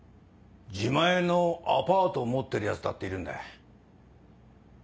自前のアパートを持ってるヤツだっているんだ。